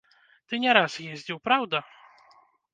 Ты не раз ездзіў, праўда?